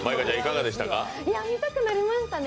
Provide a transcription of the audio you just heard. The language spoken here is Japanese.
見たくなりましたね。